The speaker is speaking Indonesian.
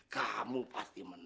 kamu pasti menang